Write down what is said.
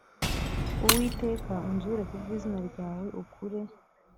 Uwiteka unzure ku bw izina ryawe ukure